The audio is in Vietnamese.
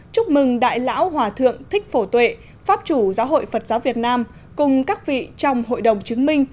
chúc mừng đại lão hòa thượng thích phổ tuệ pháp chủ giáo hội phật giáo việt nam cùng các vị trong hội đồng chứng minh